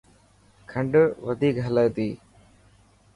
کنڊ وڌيڪ هلي تي.